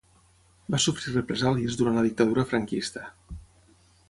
Va sofrir represàlies durant la dictadura franquista.